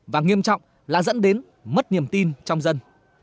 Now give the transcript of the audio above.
và nghiêm trọng là dẫn đến mất niềm tin trong dân